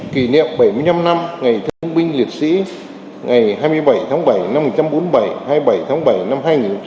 kỷ niệm bảy mươi năm năm ngày thương binh liệt sĩ ngày hai mươi bảy tháng bảy năm một nghìn chín trăm bốn mươi bảy hai mươi bảy tháng bảy năm hai nghìn hai mươi hai